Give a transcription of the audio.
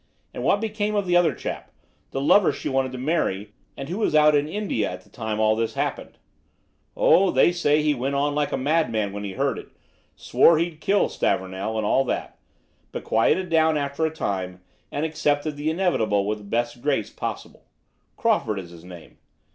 "And what became of the other chap, the lover she wanted to marry and who was out in India at the time all this happened?" "Oh, they say he went on like a madman when he heard it. Swore he'd kill Stavornell, and all that, but quieted down after a time, and accepted the inevitable with the best grace possible. Crawford is his name.